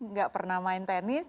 nggak pernah main tenis